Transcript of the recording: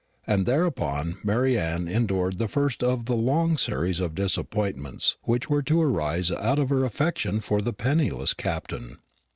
And thereupon Mary Anne endured the first of the long series of disappointments which were to arise out of her affection for the penniless Captain.